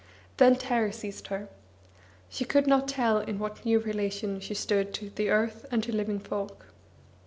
Then terror seized her. She could not tell in what new relation she stood to the earth and to living folk.